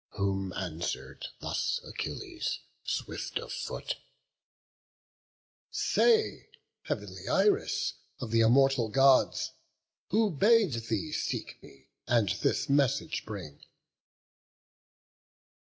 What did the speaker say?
Whom answer'd thus Achilles, swift of foot: "Say, heav'nly Iris, of th' immortal Gods Who bade thee seek me, and this message bring?"